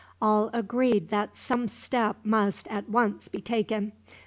All agreed that some step must, at once, be taken.